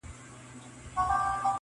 • او نه هېرېدونکي پاتې کيږي ډېر,